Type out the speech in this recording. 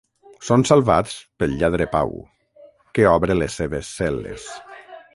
Són salvats pel lladre Pau, que obre les seves cel·les.